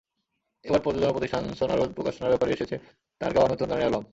এবার প্রযোজনা প্রতিষ্ঠান সোনারোদ প্রকাশনার ব্যানারে এসেছে তাঁর গাওয়া নতুন গানের অ্যালবাম।